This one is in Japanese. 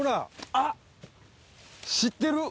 あっ知ってる！